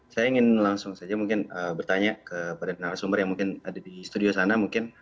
saya ingin langsung saja mungkin bertanya kepada narasumber yang mungkin ada di studio sana mungkin